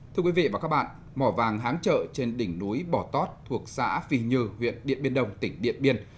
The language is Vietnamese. thưa quý vị và các bạn mỏ vàng háng trợ trên đỉnh núi bò tót thuộc xã phi như huyện điện biên đông tỉnh điện biên